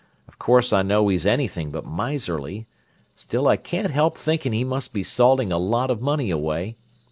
Of course I know he's anything but miserly; still I can't help thinking he must be salting a lot of money away.